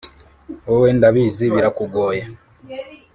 wowe ndabizi birakugoye